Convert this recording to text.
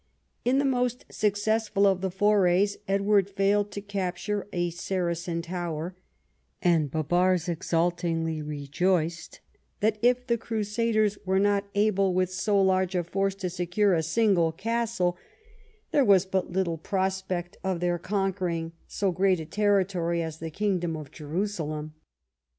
In the most successful of the forays Edward failed to capture a Saracen tower, and Bibars exultingly rejoiced that if the crusaders were not able with so large a force to secure a single castle, there was but little prospect Ill EDWARD AS A CRUSADER 58 of their conquering so great a territory as the kingdom of Jerusalem.